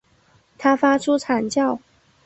他发出惨叫